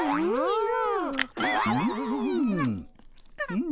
うん！